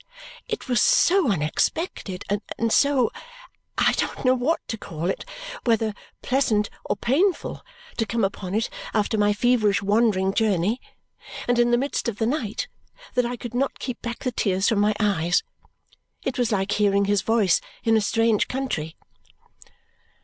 It was so unexpected and so I don't know what to call it, whether pleasant or painful to come upon it after my feverish wandering journey, and in the midst of the night, that I could not keep back the tears from my eyes. It was like hearing his voice in a strange country.